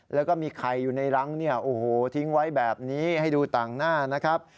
แล้วก็มีไข่อยู่ในรังเนี่ยโอ้โหทิ้งไว้แบบนี้ให้ดูต่างหน้านะครับ